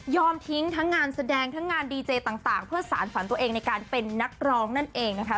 ทิ้งทั้งงานแสดงทั้งงานดีเจต่างเพื่อสารฝันตัวเองในการเป็นนักร้องนั่นเองนะคะ